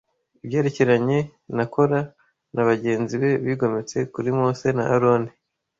Ibyerekeranye na Kora na bagenzi be bigometse kuri Mose na Aroni,